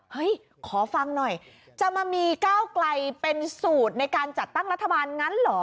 ขอฟังหน่อยจะมามีก้าวไกลเป็นสูตรในการจัดตั้งรัฐบาลงั้นเหรอ